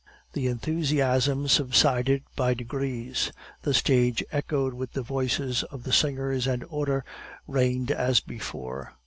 The enthusiasm subsided by degrees, the stage echoed with the voices of the singers, and order reigned as before.